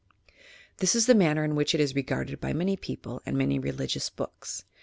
This is the manner in which it is regarded by many people and in many religious books.